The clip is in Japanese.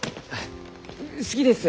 好きです！